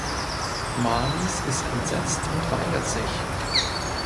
Marlies ist entsetzt und weigert sich.